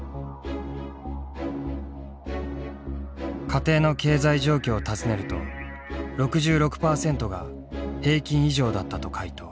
家庭の経済状況を尋ねると６６％が「平均以上だった」と回答。